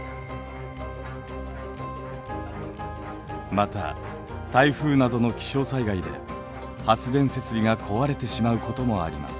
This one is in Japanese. また台風などの気象災害で発電設備が壊れてしまうこともあります。